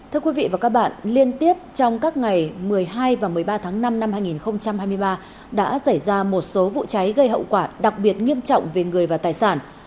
thưa quý vị và các bạn liên tiếp trong các ngày một mươi hai và một mươi ba tháng năm năm hai nghìn hai mươi ba đã xảy ra một số vụ cháy gây hậu quả đặc biệt nghiêm trọng về người và tài sản